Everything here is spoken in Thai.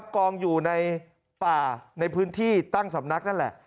กองอยู่ในป่าในพื้นที่ตั้งสำนักนั่นแหละ